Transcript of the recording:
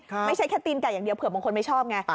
ไม่ใช่แค่ตีนไก่อย่างเดียวเผื่อบางคนไม่ชอบไง